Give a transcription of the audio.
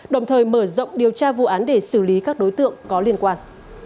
đồng thời mở rộng điều tra vụ án để xử lý các đối tượng có liên quan